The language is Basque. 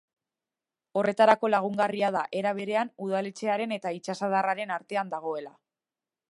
Horretarako lagungarria da, era berean, Udaletxearen eta itsasadarraren artean dagoela.